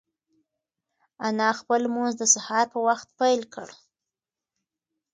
انا خپل لمونځ د سهار په وخت پیل کړ.